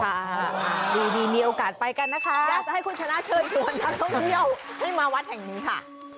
ค่ะดีมีโอกาสไปกันนะคะ